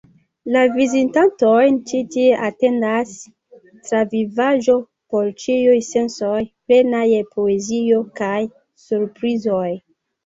La vizitantojn ĉi tie atendas travivaĵo por ĉiuj sensoj, plena je poezio kaj surprizoj.